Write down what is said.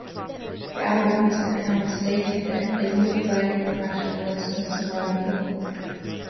Their eyewitness account stated that It looked like the crash was unsurvivable.